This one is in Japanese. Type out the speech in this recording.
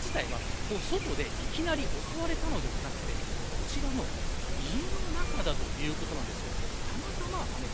現場自体は外でいきなり襲われたのではなくてこちらの家の中だということなんです。